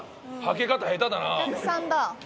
お客さんだ。